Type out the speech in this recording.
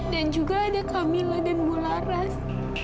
dan juga ada kamila dan mularas